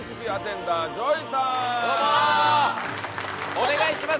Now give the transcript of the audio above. お願いします